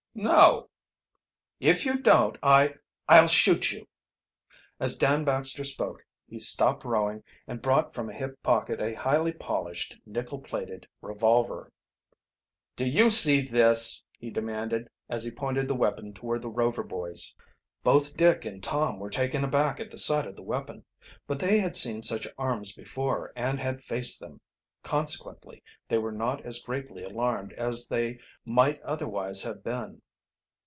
"No." "If you don't I I'll shoot you." As Dan Baxter spoke he stopped rowing and brought from a hip pocket a highly polished nickel plated revolver. "Do you see this?" he demanded, as he pointed the weapon toward the Rover boys. Both Dick and Tom were taken aback at the sight of the weapon. But they had seen such arms before, and had faced them, consequently they were not as greatly alarmed as they right otherwise have been.